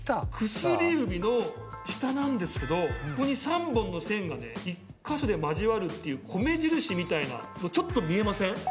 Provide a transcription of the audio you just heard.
薬指の下なんですけどここに３本の線がね１カ所で交わるっていう米印みたいなちょっと見えません？